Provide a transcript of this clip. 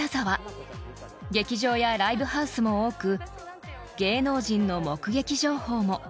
［劇場やライブハウスも多く芸能人の目撃情報も］